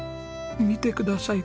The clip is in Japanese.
見てください